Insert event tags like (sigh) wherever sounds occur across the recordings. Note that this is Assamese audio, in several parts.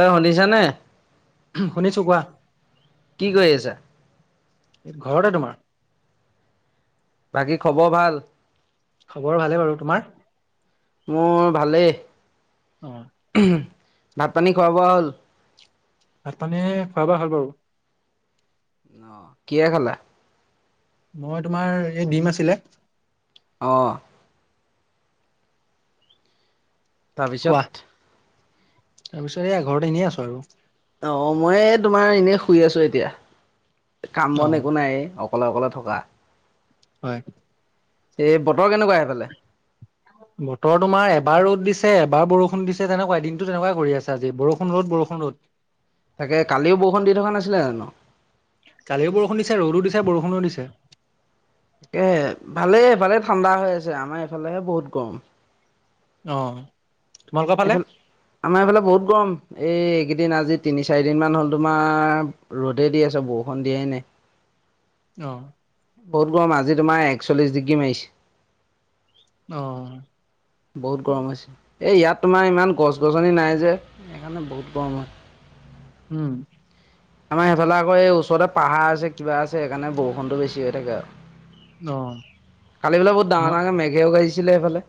ঐ শুনিছা নে? উম শুনিছো কোৱা। কি কৰি আছা। এই ঘৰতে তোমাৰ। বাকী খবৰ ভাল? খবৰ ভালে বাৰু। তোমাৰ? মোৰ ভালেই। অ (inaudible) ভাত পানী খোৱা বোৱা হ'ল? ভাত পানীয়ে খোৱা বোৱা হৈ গ'ল। অ। কিহে খালা। মই তোমাৰ এই ডিম আছিলে। অঁ। তাৰ কোৱা পিছত। তাৰপিছত এইয়া ঘৰতে এনেই আছো আৰু অ মই তোমাৰ এনেই শুই আছো এতিয়া। কাম অ বন একো নায়েই, অকলে অকলে থকা। হয়। এই (unintelligible) সেইফালে বতৰ তোমাৰ এবাৰ ৰ'দ দিছে, এবাৰ বৰষুণ দিছে তেনেকুৱাই দিনটো তেনেকুৱাই কৰি আছে আজি বৰষুণ-ৰ'দ, বৰষুণ-ৰ'দ। তাকে কালিও বৰষুণ দি থকা নাছিলে জানো? য়া বৰষুণো দিছে। এ ভালে ভালে ঠাণ্ডা হৈ আছে আমাৰ এইফালেহে বহুত গৰম। অঁ! এইফালে (inaudible) আমাৰ এইফালে বহুত গৰম এই দিন আজি তিনি চাৰি দিন মান হ'ল, তোমাৰ ৰ'দেই দি আছে বৰষুণ দিয়াই নাই। অ। বহুত গৰম, আজি তোমাৰ একচল্লিশ ডিগ্ৰী অ মাৰিছে। বহুত গৰম হৈছে। এই ইয়াত তোমাৰ ইমান গছ-গছনি নাই যে সেইকাৰণে বহুত গৰম হয়। উম। আমাৰ সেইফালে আকৌ এই ওচৰতে পাহাৰ আছে, কিবা আছে, সেইকাৰণে বৰষুণটো বেছি হৈ থাকে আৰু। অ কালি বোলে বহুত ডাঙৰ-ডাঙৰকে মেঘেও গাজিছিলে সেইফালে?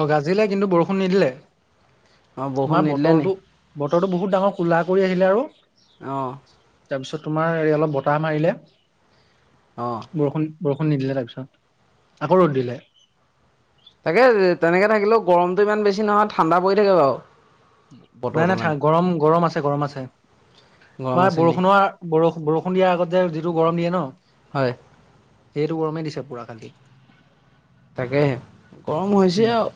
অহ, গাজিলে কিন্তু বৰষুণ নিদিলে। অ বৰষুণ তোমাৰ নিদিলে নি বতৰটো-বতৰটো বহুত ডাঙৰ কোলা কৰি আহিলে আৰু অ তাৰপিছত তোমাৰ এই অলপ বতাহ মাৰিলে অ বৰষুণ বৰষুণ নিদিলে তাৰপিছত আকৌ ৰ'দ দিলে। তাকে তেনেকে থাকিলেও গৰমটো ইমান বেছি নহয় ঠাণ্ডা পৰি থাকে বাৰু। নাই বতৰটো -নাই ঠা মানে গৰম- গৰম আছে -গৰম আছে। গৰম তোমাৰ আছে নি বৰষুণৰৰ বৰষ-বৰষুণ দিয়াৰ আগত যে যিটো গৰম দিয়ে ন' হয় সেইটো গৰমেই দিছে পুৰা কালি। তাকেহে। গৰম হৈছে উম আও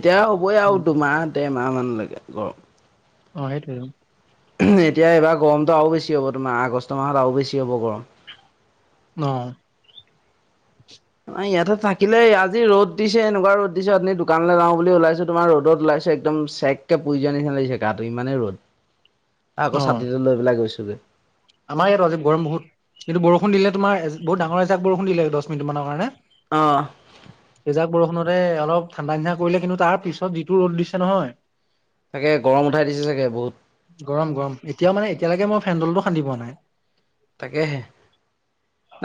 এতিয়াই হ'বই আও উম দুমাহ দেৰমাহ মানলৈকে গৰম। অহ, সেইটোৱেই। (unintelligible) এতিয়া এইবাৰ গৰমটো আৰু বেছি হ'ব তোমাৰ আগষ্ট মাহত আৰু বেছি হ'ব গৰম। অহ অহ, ইয়াতে থাকিলে আজি ৰ'দ দিছে এনেকুৱা ৰ'দ দিছে অথনি দোকানলৈ যাওঁ বুলি ওলাইছো তোমাৰ ৰ'দত ওলাই পিছে একদম চেৰেক পুৰি যোৱা নিচিনা লাগিছে গাটো ইমানেই ৰ'দ। (inaudible) আকৌ অ ছাতিটো লৈ পেলাই গৈছোঁ গে। আমাৰ ইয়াত আজি গৰম বহুত কিন্তু বৰষুণ দিলে তোমাৰ বহুত ডাঙৰ এজাক বৰষুণ দিলে দছ মিনিত মানৰ কাৰণে। অ এজাক বৰষুণতে অলপ ঠাণ্ডা নিণ্ডা কৰিলে, কিন্তু তাৰ পিছত যিটো ৰ'দ দিছে নহয় তাকে গৰম উঠাই দিছে চাগে বহুত গৰম-গৰম এতিয়াও মানে এতিয়ালৈকে মই ফেণ্ডলটো খান্দি পোৱা নাই। তাকে হে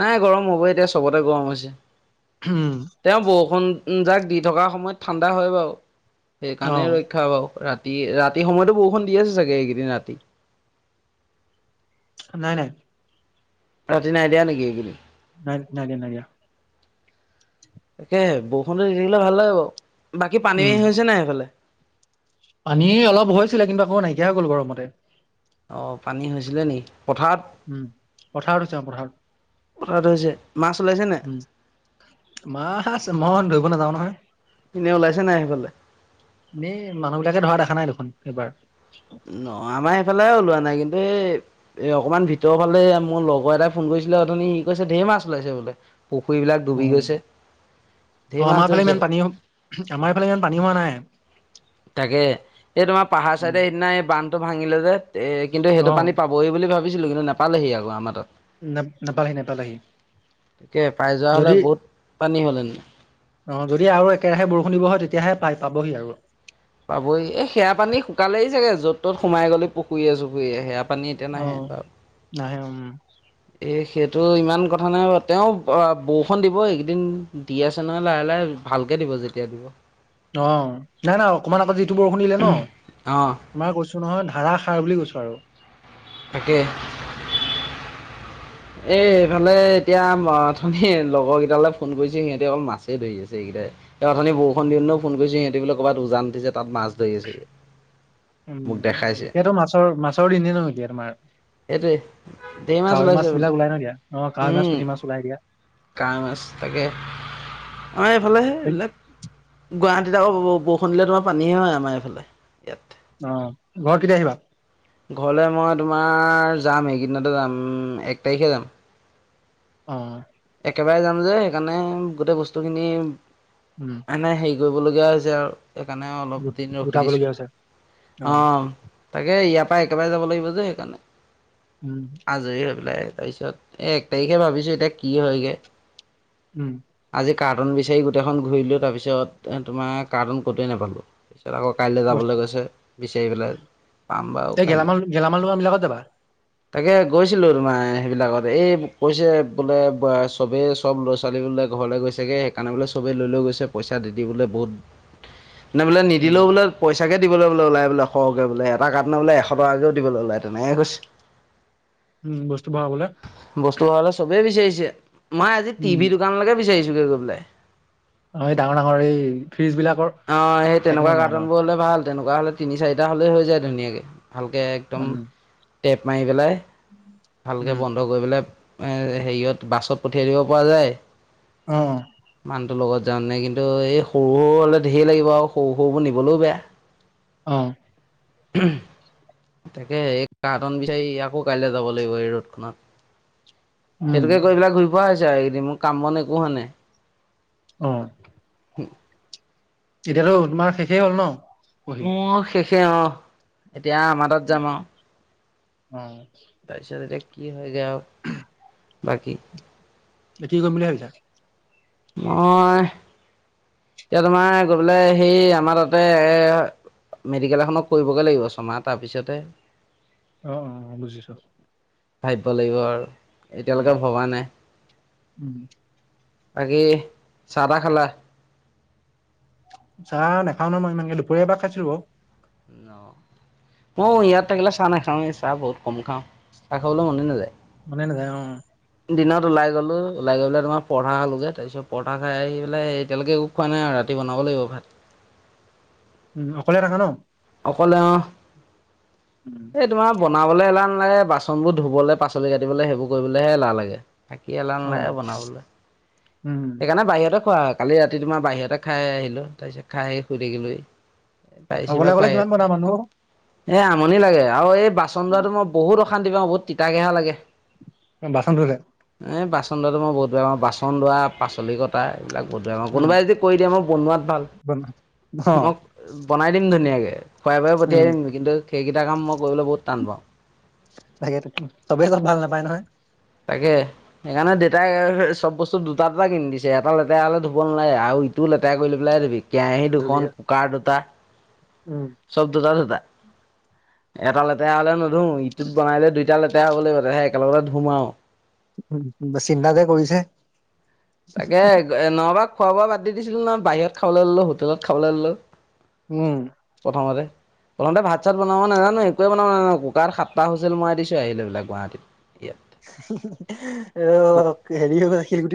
নাই গৰম হ'ব এতিয়া চবতে গৰম হৈছে। তেওঁ বৰষুণ যাক দি থকা সময়ত ঠাণ্ডা হয় বাৰু অ সেইকাৰণে ৰক্ষা বাৰু ৰাত ৰাতি-ৰাতি সময়তো বৰষুণ দি আছে চাগে এইকেইদিন ৰাতি? নাই- নাই। ৰাতি নাই দিয়া নেকি এইকেইদিন? নাই-নাই দিয়া-নাই দিয়া। তাকে বৰষুণটো দি থাকিলে ভাল লাগে বাৰু, বাকী পানী উম হৈছে নাই সেইফালে? পানী অলপ হৈছিলে কিন্তু আকৌ নাইকিয়া হৈ গ'ল গৰমতে। অহ, পানী হৈছিলে নি? পথাৰত উম, পথাৰত আছে অহ পথাৰত। এ মাছ ওলাইছে নাই? উম, মাছ, ম‌ই ধৰিব নাযাওঁ এনেই ওলাইছে নাই সেইফালে নহয়। এই মানুহবিলাকে ধৰা দেখা নাই দেখোন এইবাৰ। ন'আমাৰ সেইফালেও ওলোৱা নাই কিন্তু এ 'অকমান ভিতৰৰ ফালে মোৰ লগৰ এটাই ফোন কৰিছিলে অথনী, সি কৈছে ঢেৰ মাছ ওলাইছে বোলে। পুখুৰীবিলাক ডুবি গৈছে। ঢেৰ অহ, মাছ আমাৰ ফালে ধৰিছে ইমান পানী -আমাৰ ফালে ইমান পানী হোৱা নাই। তাকে, এই তোমাৰ পাহাৰ উম, চাইডে সিদিনা এই বান্ধটো ভাঙিলে যে এই কিন্তু সেইটো অ' পানী পাবহি বুলি ভাবিছিলোঁ কিন্তু, নাপালেহি আকৌ আমাৰ তাত। ন নাপালেহি নাপালেহি তাকে পাই যোৱা হলে বহুত পানী হল হ'লে অহ, যদি আৰু একেৰাহে বৰষুণ দিব হয় তেতিয়াহে পাই পাবহি আৰু পাবই এই সেয়া পানী শুকালেই চাগে য'ত-ত'ত সোমাই গ'লে পুখুৰীয়ে-চুখুৰীয়ে সেয়া পানী এতিয়া নাহে অ' বাৰু। নাহে উম। এই সেইটো ইমান কথা নাই বাও তেওঁ আ বৰষুণ দিব এইকেইদিন, দি আছে নহয় লাহে লাহো। ভালকে দিব, যেতিয়া দিব। অ নাই-নাই অকনমান আগত যিটো বৰষুণ দিলে ন অঁ তোমাৰ কৈছো নহয় ধাৰা সাৰ বুলি কৈছোঁ আৰু। তাকে, (unintelligible) এ এইফালে এতিয়া অথনী লগৰকেইটালৈ ফোন কৰিছে সিহঁতে অকল মাছেই ধৰি আছে এইকেইটা। এই অথনি বৰষুণ দিওতে ফোন কৰিছে সিহঁতি বোলে ক'ৰবাত উজান উঠিছে তাত মাছ ধৰি আছেগে মোক দেখাইছে এতিয়াতো মাছৰ-মাছৰ দিনেই ন এতিয়া তোমাৰ। এইটোৱেই ধেই মাছ কাৱৈ ওলাইছে বোলে বিলাক ওলাই ন এতিয়া। অ' কাৱৈ মাছ উম! পুঠি মাছ ওলাই দিয়া কাৱৈ মাছ তাকে আমাৰ এইফালেহে এইবিলাক। গুৱাহাটীত আক ব, বৰষুণ দিলে তোমাৰ পানীহে হয় আমাৰ এইফালে এই ফালে। অ, ঘৰত কেতিয়া আহিবা? ঘৰলে মই তোমাৰ যাম, এইকেইদনাতে যাম এক তাৰিখে যাম। অ। একেবাৰে যাম যে, সেইকাৰণে গোটেই বস্তু খিনি, উম এনে হেৰি কৰিবলগীয়া হৈছে আৰু। সেইকাৰণে অলপ গো- দিন ৰখি দিছো, গোটাবলগীয়া হৈছে অ তাকে ইয়াত পা একেবাৰে যাব লাগিব যে সেইকাৰণে, উম আজৰি হৈ পেলাই তাৰপিছত এক তাৰিখে ভাবিছো এতিয়া কি হয়গে। উম আজ কাৰ্টুন বিচাৰি গোটেইখন ঘূৰিলো তাৰপিছত তোমাৰ কাৰ্টুন কতোৱে নাপালো আকৌ কাইলৈ বস্তু যাবলৈ কৈছে বিচাৰি পেলাই পাম বাৰু কাইলে এতিয়া ক'ত যাবা। তাকে গৈছিলো তোমাৰ সেইবিলাকত এই কৈছে বোলে চবেই চব ল'ৰা -ছোৱালী বোলে ঘৰলে গৈছেগে সেইকাৰণে বোলে চবেই লৈ লৈ গৈছে পইচা দি দি বোলে বহুত উ (inaudible) নে বোলে নিদিলে বোলে পইচাকে দি। দিবলৈ বোলে ওলাই বোলে সৰকে বোলে এটা কাটোনৰ বোলে এশ টকাকেও দিবলৈ ওলাই তেনে কৈছে উম বস্তু ভৰাবলে বস্তু ভৰাবলে চবেই বিচাৰি মই আজি উম টিভি দোকানলৈকে বিচাৰিছো গৈ পেলাই। আমি ডাঙৰ ডাঙৰ এই ফ্ৰিজ বিলাকৰ অ সেই থাকে ন তেনেকুৱা ডাঙৰ ডাঙৰ কাৰ্টোনবোৰ হলে ভাল। তেনেকুৱা হ'লে তিনি চাৰিটা হ'লে হৈ যায় ধুনীয়াকে ভালকে একদম উম টেপ মাৰি পেলাই ভালকে উম বন্ধ কৰি পেলাই এ হেৰিয়ত বাছত পঠিয়াই দিব পৰা যায়। অ মানুহটোৰ লগত যাওঁ নে কিন্তু এই সৰু সৰু হ'লে ধেৰ লাগিব আৰু সৰু সৰুবোৰ নিবলৈও বেয়া। অ। উ তাকে স কাৰ্টোন বিচাৰি আকৌ কাইলে যাব লাগিব এই ৰ'দখনত। উম সেইটোকে কৈ পেলাক ঘূৰি ফোৱা হৈছে আৰু এইকেইদিন মোৰ কাম বন একো হোৱা নাই অ উ (inaudible) এতিয়া তো তোমাৰ শেষেই হ'ল ন? পঢ়ি মোৰ শেষে আৰু, এতিয়া আমাৰ তাত যাম আৰু। উম! তাৰপিছত এতিয়া কি হয় গে আল বাকী এতিয়া কি কৰিম বুলি ভাবিছা। মই এতিয়া তোমাৰ গৈ পাই সেই আমাৰ তাতে এ মেডিকেল এখনক কৰিবগে লাগিব ছমাহ তাৰপিছতে অ অ অ বুজিছ। ভাবিব লাগিব আৰু, এতিয়ালৈকে ভবা নাই। উম! আকে চাহ তাহ খালা? চা নাখাও ন মই ইমানকে দুপৰীয়া এবাৰ খাইছিলো বাৰ মই ইয়াত থাকিলে চাহ নাখাওঁয়ে, চাহ বহুত কম খাওঁ, চাহ খাবলৈ মনে নাযায়। মানে নায় অ দিনত ওলাই গলো, ওলাই গৈ পাই তোমাৰ পৰঠা খালোঁ যে, তাৰপিছত পৰঠা খাই পেলাই এতিয়ালৈকে একো খোৱা নাই ৰাতি বনাব লাগিব ভাত উম অকলে থাকা ন অকলে অ, উম এই তোমাৰ। বনাবলৈ এলাহ নালাগে বাচন বোৰ ধুবলৈ পাচলি কাটিবলৈ সেইবোৰ কৰিবলৈ হহে এলাহ লাগে। থাকি এলান ন অ লাগে বনাবলৈ উম সেইকাৰণে বাহিৰত। খোৱা হয় কালি ৰাতি তোমাৰ বাহিৰতে খাই আহিলোঁ, তাৰ পিছত খাই আহি শুই থাকিলোঁ হি অকলে বেছিভাগ অকলে বাহিৰত। কিমান বনকৰা মানুহ এ আমনি লাগে আৰু এই বাচন ধৰাটো মই বহুত অশান্তি পাওঁ বহুত তিতা কেহা লাগে। বাচ ধূলে (unintelligible) এই বাচন লোৱাটো মই বহুত বেয়া পাওঁ বাচন ধোৱা, পাচলি কটা (unintelligible) এইবিলাক বধ উম, কোনোবাই যদি ক দিয়া মই বনোৱাত ভাল, বনা অ মোক বনাই দিম ধুনীয়াকে। (unintelligible) খুৱাই বাই পঠিয়াই দিম কিন্তু সেইকেইটা কাম মই কৰিবলৈ বহুত টান পাওঁ। তাকে তবেই চত ভাল নাপায় নহয়। (unintelligible) তাকে সেইকাৰণে দেউেতাই চব বস্তু দুটা দুটা কিনি দিছে এটা লেতেৰা হলে ধুব নেলাগে আৰু টো লেতেৰা কৰি লৈ পেলাই দিবি কেৰাহী জুবিয়ে দুখন কুকাৰ দুটা উম চব দুটা দুটা এটা লেতেৰা হ'লে নধুও ইটোত বনালে দুইটা লেতেৰা হ'ব লাগিব সেই একেলগতে ধুম আৰু উ বা চিনাতা যে কৰিছে। তাকে নবা খোৱা বোৱা বাদ দি দিছিলো নহ বাহিৰত খাবলৈ ললো হোটেলত খাবলৈ ললো উম অ দে। প্ৰথতে ভাত চাত বনাব নাজানো একোৱে বনাব নো কুকাৰ সাপ্তাহ হৈছিল মই দিছো আহিলে এইিলাক গুৱাহাটীত। ইয়াত অ হেৰি হৈ গ শিলগুটি। (unintelligible)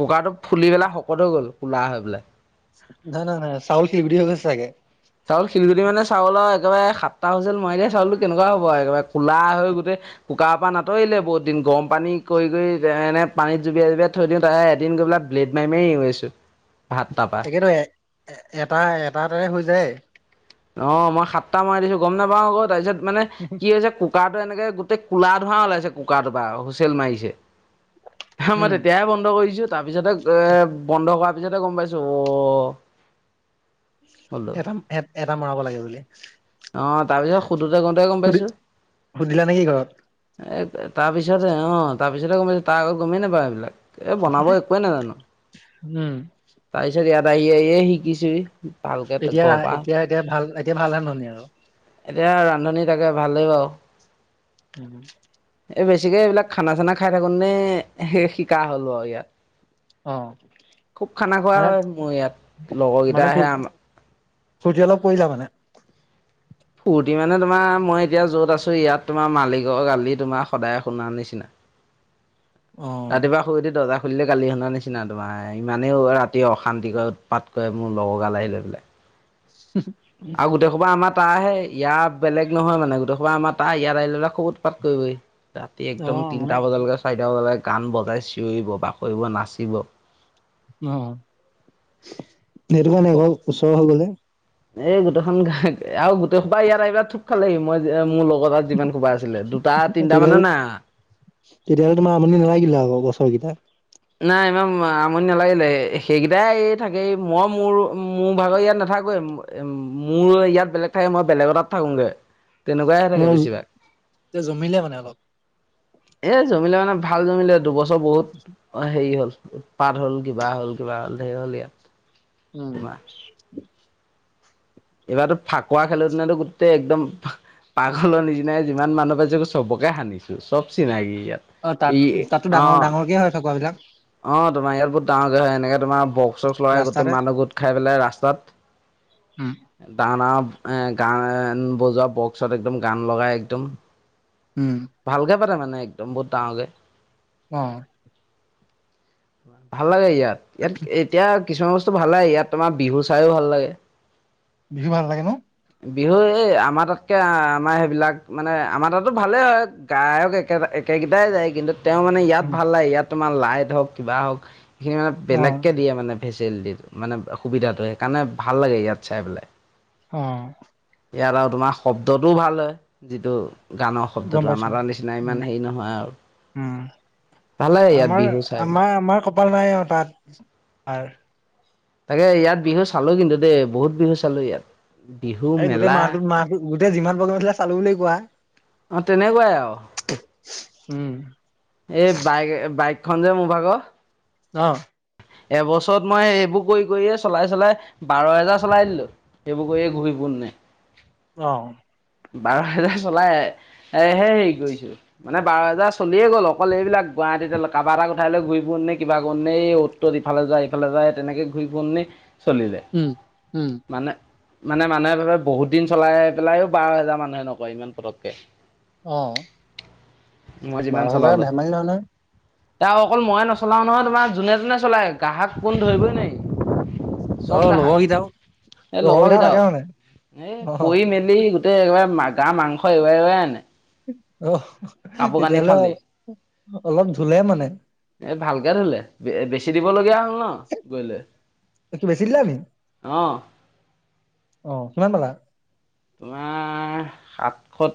কুকাৰটো ফুলি পেলাই শকত হৈ গ'ল কোলা হৈ পেলাই। ন ন নাই চাউল শিলগ হৈ গছে চাগে (unintelligible) চাউল শিলগুটি মানে চাউলৰ একেবাৰে সাতটা হুইচেল মাইলে চাউলটো কেনেকুৱা হব একবাৰে কলা হৈ গোটেই কুকাৰ পৰা নাতৰিলে বহুত দিন গৰম পানী কৰি কৰি এনে পানীত জুবিয়াই- জুবিয়াই থৈ দিওঁ তাহ এ এদিন গৈবলা ব্লেড মাই মাই এৰোয়াইছো। তাকেতো এ এটা এটা এটাৰে হৈ যায় অ মই সাতটা মৰাই দিছো গম নাপাও আকৌ তাৰপিছত মানে কি হৈছে কুকাৰ এনেকে গোটেই কোলা ধোঁৱা ওলাইছে কুৰাটোৰ পৰা হুইছেল মাৰিছে। মই উম তেতিয়াই বন্ধ কৰিছো তাৰ পিছতে এ বন্ধ কৰা পিছটা গম পাইছো অ বোলো এটা এ এটা মৰাব লাগে বুলি অ তাৰ পিছত সুধোতে কওতে গম সুধি পাইছো, সুধিলা নেকি ঘৰত এ তাৰপিছতে অ তাৰপিছতে গম পাইছো তাৰ আগত গমেই নাপাও এইবিলাক। এ বনাব একোৱে নাজানো, উম তাৰপিছত ইয়াত আহি আহিয়ে শিকিছো। এতিয়া ৰা এতিয়া এতিয়া ভাল এতিয়া ভাল হে ননী আৰু। (unintelligible) এতিয়া ৰান্ধনী তাকে ভালেই বাৰু। উম। এই বেছিকে এইবিলাক খানা- চানা খাই থাকো নে শিকা হল আৰু ইয়াত অ খুব খানা খোৱা মানে হয় মোৰ ইয়াত, লগৰকেইটা মানে আহে আমা ফূৰ্তি অলপ কৰি যাও মানে (unintelligible) ফূৰ্তি মানে তোমাৰ মই এতিয়া যত আছো ইয়াত তোমাৰ মালিকৰ গালি তোমাৰ সদায় শুনাৰ নিচিনা। (inaudible) অ ৰাতিপুৱা শুই উঠি দৰ্জা খুলিলে গালি শুনা নিচিনা তোমাৰ ইমানেইও ৰাতি অশান্তিক উৎপাত কৰে মোৰ লগৰ গাল আহিলে বোলে- উ। (unintelligible) আৰু গোটেই আমাৰ তাই ইয়াত বেলেগ নহয় মানে গোটেই সোপা আমাৰ তাই ইয়াত আহিলে খুব উৎপাত কৰিব হি। ৰাতি অ একদম মানে তিনটা বজালৈকে চাৰিটা বজালৈকে গান বজাই চিঞৰিব -বাসৰিব নাচিব। অ সেইটো কাৰণে খুব ক ওচৰ হৈ গল যে এই গোটেইখন ঘ আৰু গোটেই সোপা ইয়াত আহিবা থপ খালেহি মই মোৰ লগত কবাত যিমান সোপা আছিলে দুটা তিনটা তেতিয়া মানো নাই অহা তেতিয়াহলে তোমাৰ আমনি নালাগিলে আকৌ বছৰ কেইটা? নাই ইমান আমনি নালাগিলে, সেইকেইটাই এই থাকে মই মোৰ মোৰ ভাগৰ ইয়াত নাথাক মোৰ ইয়াত বেলেগ থাকে মই বেলেগ তাত থাকোঁ গে তেনেকুৱাইে থাকে এ বেছিভাগ। জমিলে মানে অলপ। এ জমিলে মানে ভাল জমিলে দুবছৰ বহুত অ হেৰি হ'ল উৎপাত হ'ল কিবা হ'ল কিবা হ'ল ধেই হ'ল ইয়াত উম। তোমাৰ এইবাৰতো ফাকুৱা খেলা দিনাটো গোটেই একদম পাগলৰ নিচিনা যিমান মানুহ পাইছে চবকে সানিছো চব চিনাকি ইয়াত অ তাত ই তাতো অ ডাঙৰ ডাঙৰকে হয় ফাকুৱা বিলাক। অ তোমাৰ ইয়াত বহুত ডাঙৰকৈ হয় এনেকে তোমাৰ বক চব লৰাই গোটেই ৰাস্তাতে। মানুহ গোট খাই পেলাই ৰাস্তাত উম ডাঙৰ ডাঙৰ এ গান বজোৱা বক্সত একদম গান লগাই একদম, উম। ভালকে পাতে মানে একদম বহুত ডাঙকে। হ ভাল লাগে ইয়াত। ইয়াত এতিয়া কিছুমান বস্তু - ভাল লাগে ইয়াত তোমাৰ বিহু চাইও ভাল লাগে। বিহু ভাল লাগে ন? বিহু এই আমাৰ তাতকৈ আমাৰ সেইবিলাক মানে আমাৰ তাততো ভালেই হয় গায়ক একে একেগেইটাই যায় কিন্তু তেওঁ মানে ইয়াত উম, ভাল লাগে ইয়াত তোমাৰ লাইট হওক কিবা হওক সিহঁত অ বেলেগকে দিয়ে মানে, মানে সুবিধাটো সেইকাৰণে ভাল লাগে ইয়াত চাই পেলাই হ ইয়াত আৰু তোমাৰ শব্দটোও ভাল হয়, যিটো গান- গম শব্দটো পাইছো। আমাৰ নিচিনা উম ইমান হেৰি নহয় আৰু উম ভাল লাগে ইয়াত আমাৰ বিহু চাই পেলাই আমাৰ আমাৰ কপাল নাই আৰু তাত তাকে ইয়াত বিহু চালো কিন্তু দেই বহুত বিহু চালো ইয়াত বিহু এই গোটেই মেলা মাহটোত মাহ গোটেই যিমান প্ৰগ্ৰেম আছিলে চালো বুলি কোৱা। অ তেনেকুৱাই উম। আৰু এই বাইক বাইক খঞ্জে মোৰ ভাগ। অহ। এবছৰত মই এইবোৰ কৰি কৰিয়ে চলাই চলাই বাৰ হেজাৰ চলাই দিলো। সেইবোৰ কৰিয়ে ঘূৰি ফুৰি। শন (unintelligible) (unintelligible) অ বাৰ হেজাৰ চলাই এহে হেৰি কৰিছো মানে বাৰ হেজাৰ চলিয়ে গ'ল অকল এইবিলাক কাবা এটাক উঠাই লৈ ঘূৰি ফোৰো নে কিবা কৰো নে এই ত ইফালে যায় ইফালে যায় তেনেকে ঘূৰি ফুৰি চলি যায় উম উম। মানে, মানে মানুহে ভাবে বহুত দিন চলাই পেলাইও বাৰ হেজাৰ মানুহে নকয় ইমান পতককে অ বাৰ হেজাৰ ধেমালি নহয় নহয়। ত অকল মইৱে নচলাও নহয় তোমাৰ যোনে তোনে চলায় গাহক কোন ধৰিবই নেকি (unintelligible) চব অ গ্ৰাহক লগৰকেইটাও এ লগৰ লগৰকেইটাও কেইটা থাকে মানে। এ অ' পঢি মেলি গ, একবাৰ ম গা মাংস এৰুৱাই এৰুৱাই আনে‌। অ তেতিয়াহ'লে ফালি অলপ ধুলে মানে। ভালকৈ ধুলে। বেছি দিবলগীয়া হ'ল ন গৈ লৈ। বেছি দিলা নি? অ। অ কিমান পালা? তোমাৰ সাতশত (unintelligible)